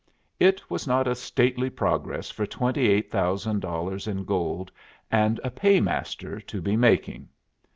It was not a stately progress for twenty eight thousand dollars in gold and a paymaster to be making.